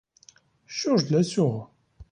Що ж для цього?